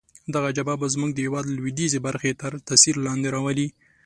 دغه جبهه به زموږ د هیواد لویدیځې برخې تر تاثیر لاندې راولي.